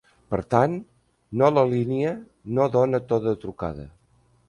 Per tant, no la línia no dona to de trucada.